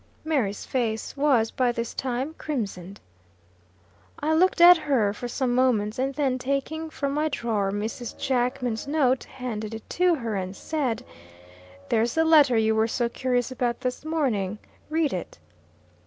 Mary's face was, by this time crimsoned. I looked at her for some moments, and then, taking from my drawer Mrs. Jackman's note, handed it to her, and said: "There's the letter you were so curious about this morning. Read it."